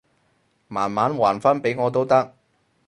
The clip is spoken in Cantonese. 慢慢還返畀我都得